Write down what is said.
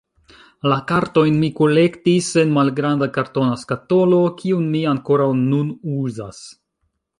La kartojn mi kolektis en malgranda kartona skatolo, kiun mi ankoraŭ nun uzas.